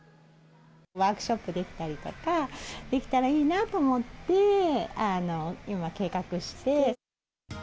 ワークショップできたりとか、できたらいいなと思って、今、計画して。